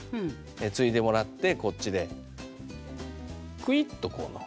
ついでもらってこっちでクイッとこう飲む。